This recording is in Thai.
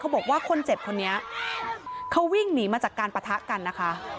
บอกว่าคนเจ็บคนนี้เขาวิ่งหนีมาจากการปะทะกันนะคะ